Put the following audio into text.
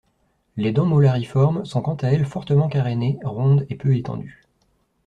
Les dents molariformes sont quant à elle sont fortement carénées, rondes et peu étendues.